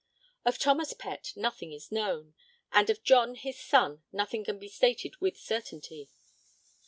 Of Thomas Pett nothing is known; and of John his son nothing can be stated with certainty.